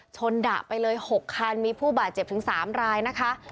ดะไปเลย๖คันมีผู้บาดเจ็บถึง๓รายนะคะ